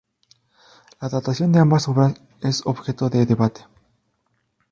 La datación de ambas obras es objeto de debate.